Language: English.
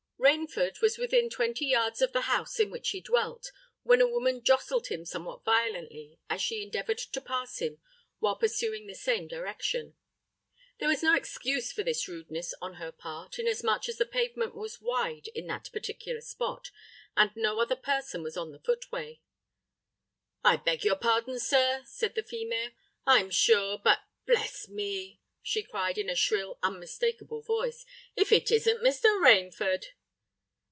Rainford was within twenty yards of the house in which he dwelt, when a woman jostled him somewhat violently as she endeavoured to pass him while pursuing the same direction. There was no excuse for this rudeness on her part, inasmuch as the pavement was wide in that particular spot, and no other person was on the footway. "I beg your pardon, sir," said the female; "I'm sure——But, bless me!" she cried, in a shrill, unmistakeable voice,—"if it isn't Mr. Rainford!"